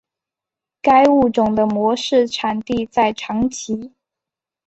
该物种的模式产地在长崎。